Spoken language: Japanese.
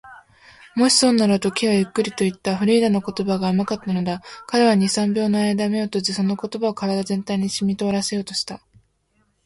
「もしそうなら」と、Ｋ はゆっくりといった。フリーダの言葉が甘かったのだ。彼は二、三秒のあいだ眼を閉じ、その言葉を身体全体にしみとおらせようとした。